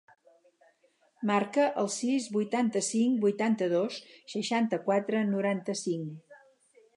Marca el sis, vuitanta-cinc, vuitanta-dos, seixanta-quatre, noranta-cinc.